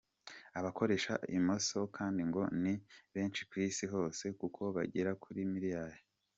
Abakoresha imoso kandi ngo ni benshi ku Isi hose kuko bagera kuri miliyari.